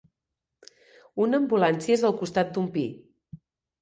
Una ambulància és al costat d'un pi.